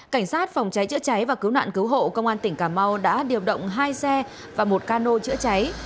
cảnh sát phòng cháy chữa cháy và cứu nạn cứu hộ công an tỉnh cà mau đã điều động hai xe và một cano chữa cháy